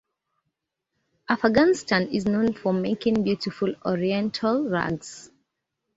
Afghanistan is known for making beautiful oriental rugs.